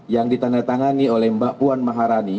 yang ditandatangani oleh mbak puan maharani